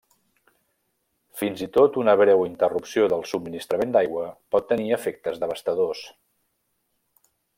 Fins i tot una breu interrupció del subministrament d'aigua pot tenir efectes devastadors.